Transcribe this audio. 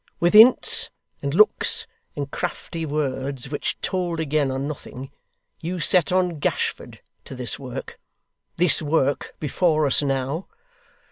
With hints, and looks, and crafty words, which told again are nothing, you set on Gashford to this work this work before us now.